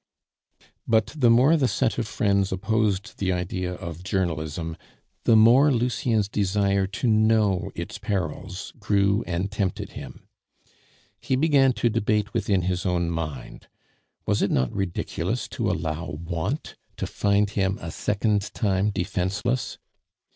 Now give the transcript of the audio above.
But the more the set of friends opposed the idea of journalism, the more Lucien's desire to know its perils grew and tempted him. He began to debate within his own mind; was it not ridiculous to allow want to find him a second time defenceless?